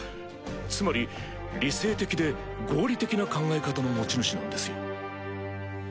つまり理性的で合理的な考え方の持ち主なんですよ。